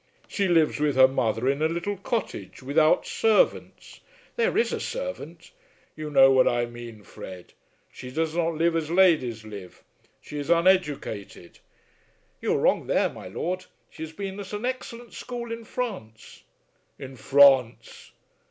She lives with her mother in a little cottage, without servants, " "There is a servant." "You know what I mean, Fred. She does not live as ladies live. She is uneducated." "You are wrong there, my lord. She has been at an excellent school in France." "In France!